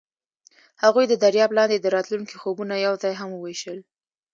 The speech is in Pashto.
هغوی د دریاب لاندې د راتلونکي خوبونه یوځای هم وویشل.